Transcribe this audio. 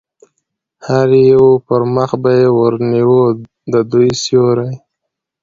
د هر یوه پر مخ به یې ور نیوه، د دوی سیوری.